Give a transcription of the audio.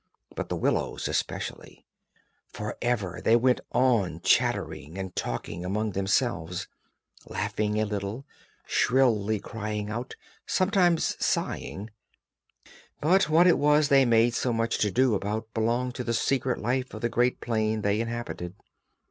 But the willows especially; for ever they went on chattering and talking among themselves, laughing a little, shrilly crying out, sometimes sighing—but what it was they made so much to do about belonged to the secret life of the great plain they inhabited.